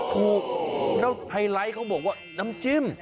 ถูกแล้วไฮไลท์เขาบอกว่าน้ำจิ้ม